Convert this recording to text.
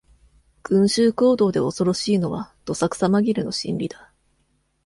群衆行動で恐ろしいのは、どさくさまぎれの心理だ。